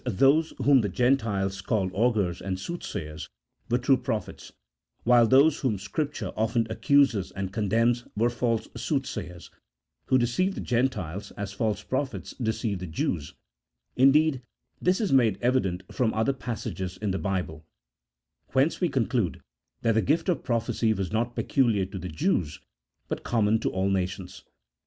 those whom the Gentiles called augurs and soothsayers were true prophets, while those whom Scripture often accuses and condemns were false soothsayers, who deceived the Gentiles as false prophets deceived the Jews ; indeed, this is made evident from other passages in the Bible, whence we conclude that the gift of prophecy was not peculiar to the Jews, but common to all nations.